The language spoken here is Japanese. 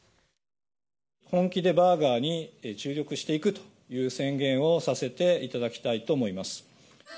本気でバーガーに注力していくという宣言をさせていただきたいと思います。